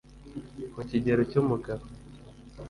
Mu kigero cy'umugabo